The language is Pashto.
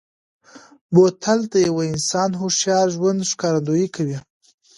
بوتل د یوه انسان هوښیار ژوند ښکارندوي کوي.